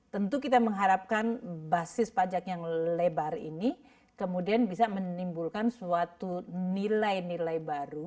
tentu kita mengharapkan basis pajak yang lebar ini kemudian bisa menimbulkan suatu nilai nilai baru